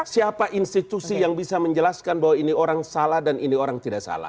siapa institusi yang bisa menjelaskan bahwa ini orang salah dan ini orang tidak salah